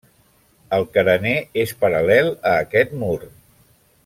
El carener és paral·lel a aquest mur.